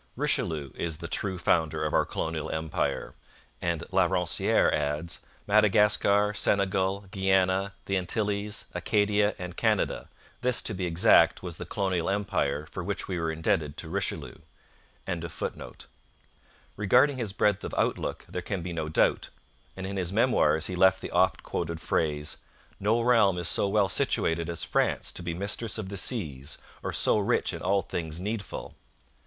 ] Richelieu is 'the true founder of our colonial empire,' and La Ronciere adds: 'Madagascar, Senegal, Guiana' the Antilles, Acadia, and Canada this, to be exact, was the colonial empire for which we were indebted to Richelieu.' Regarding his breadth of outlook there can be no doubt, and in his Memoirs he left the oft quoted phrase: 'No realm is so well situated as France to be mistress of the seas or so rich in all things needful.'